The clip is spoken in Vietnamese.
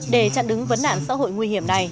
để chặn đứng vấn đạn xã hội nguy hiểm